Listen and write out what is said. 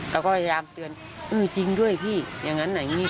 เราก็พยายามเตือนเออจริงด้วยพี่อย่างนั้นอย่างนี้